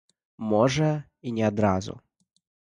Можа і не адразу.